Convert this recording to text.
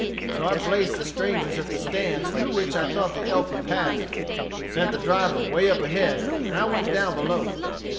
So I placed the strangers at the stands through which I thought the elk would pass, sent the driver way up ahead, and I went down below.